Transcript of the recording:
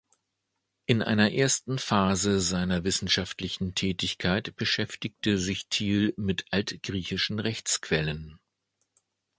In einer ersten Phase seiner wissenschaftlichen Tätigkeit beschäftigte sich Thiel mit altgriechischen Rechtsquellen.